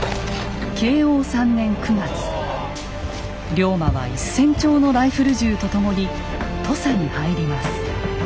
龍馬は１，０００丁のライフル銃とともに土佐に入ります。